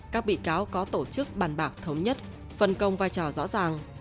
các bị cáo có tổ chức bàn bạc thống nhất phân công vai trò rõ ràng